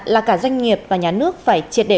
là cả doanh nghiệp và nhà nước phải triệt để